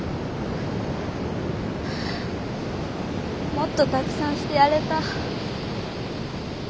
もっとたくさんしてやれた。